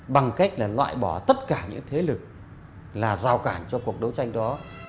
bằng cách là loại bỏ tất cả những thế lực là rào cản cho cuộc đấu tranh đó